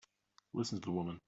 Listen to the woman!